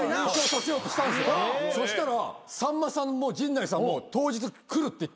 そしたらさんまさんも陣内さんも当日来るって言ったんですよ。